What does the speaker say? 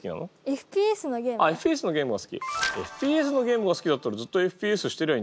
ＦＰＳのゲームが好きだったらずっとＦＰＳしてりゃいいんじゃねえの？